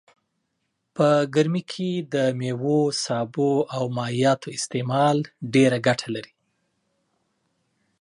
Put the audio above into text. په ګرمي کي دميوو سابو او مايعاتو استعمال ډيره ګټه لرئ